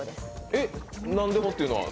えっ、何でもっていうのは？